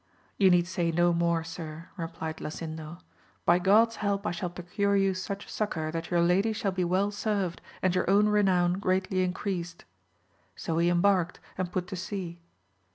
You need say no more, sir, replied Lasindo, by God's help I shall procure you such suc cour that your lady shall be well served, and your own renown greatly increased. So he embarked and put to sea.